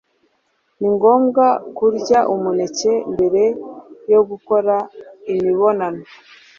ni ngombwa kurya umuneke mbere yo gukora imibonano